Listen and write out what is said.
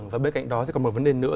và bên cạnh đó thì còn một vấn đề nữa